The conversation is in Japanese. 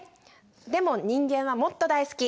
でも人間はもっと大好き。